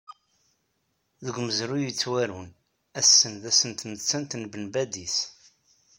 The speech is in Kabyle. Deg umezruy yettwarun, ass-n d ass n tmettant n Ben Badis.